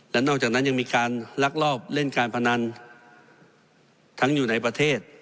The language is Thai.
และนอกจากนั้นยังมีการลักลอบเล่นการพนันทั้งอยู่ในประเทศ